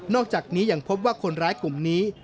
อกจากนี้ยังพบว่าคนร้ายกลุ่มนี้